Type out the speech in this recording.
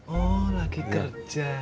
oh lagi kerja